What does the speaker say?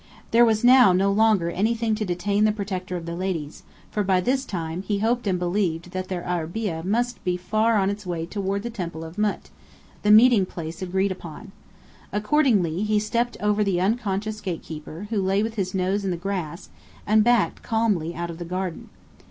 There was now no longer anything to detain the protector of the ladies, for by this time, he hoped and believed that their arabeah must be far on its way toward the Temple of Mût, the meeting place agreed upon. Accordingly, he stepped over the unconscious gatekeeper, who lay with his nose in the grass, and backed calmly out of the garden.